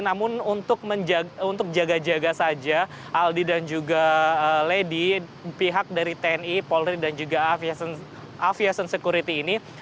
namun untuk jaga jaga saja aldi dan juga lady pihak dari tni polri dan juga aviation security ini